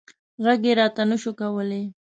غږ یې راته نه شو کولی.